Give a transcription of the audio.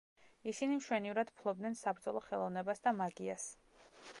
ისინი მშვენივრად ფლობდნენ საბრძოლო ხელოვნებას და მაგიას.